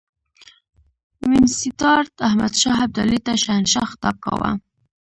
وینسیټارټ احمدشاه ابدالي ته شهنشاه خطاب کاوه.